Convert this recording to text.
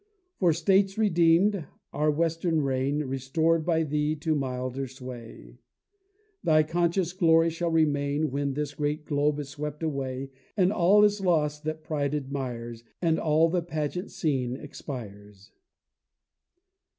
For States redeem'd our western reign Restor'd by thee to milder sway, Thy conscious glory shall remain When this great globe is swept away And all is lost that pride admires, And all the pageant scene expires.